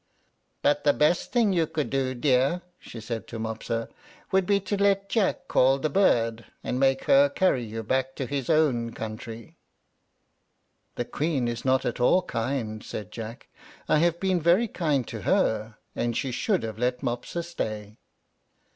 "But the best thing you could do, dear," she said to Mopsa, "would be to let Jack call the bird, and make her carry you back to his own country." "The Queen is not at all kind," said Jack; "I have been very kind to her, and she should have let Mopsa stay."